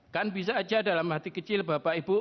kan bisa aja dalam hati kecil bapak ibu